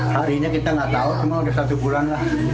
harinya kita nggak tahu cuma udah satu bulan lah